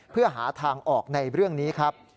เพื่อหาทางออกในเรื่องนี้ครับ